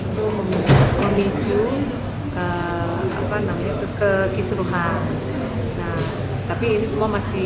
kami tidak digaji oleh negara